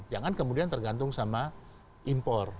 jangan kemudian tergantung sama impor